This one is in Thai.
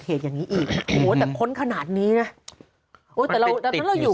อย่างนี้อีกโอ้โหแต่ค้นขนาดนี้นะโอ้ยแต่เราตอนนั้นเราอยู่